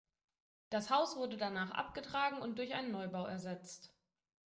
Das Haus wurde danach abgetragen und durch einen Neubau ersetzt.